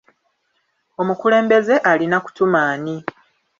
Omukulembeze alina kutuma ani?